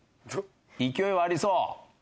勢いはありそう。